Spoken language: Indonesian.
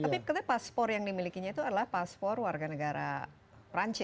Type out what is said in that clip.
tapi katanya paspor yang dimilikinya itu adalah paspor warga negara perancis